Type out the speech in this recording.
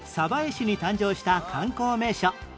市に誕生した観光名所